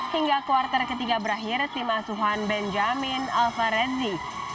hingga kuartal ketiga berakhir tim asuhan benjamin alvarezi